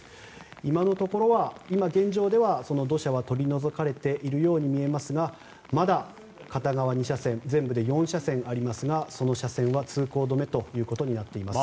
今のところは、現状では土砂は取り除かれているように見えますがまだ片側２車線全部で４車線ありますがその車線は通行止めとなっています。